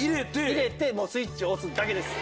入れてもうスイッチ押すだけです。